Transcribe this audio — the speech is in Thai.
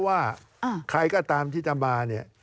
การเลือกตั้งครั้งนี้แน่